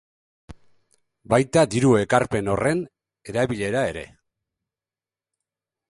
Baita diru ekarpen horren erabilera ere.